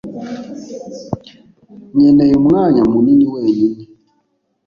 nkeneye umwanya munini wenyine